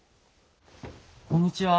こんにちは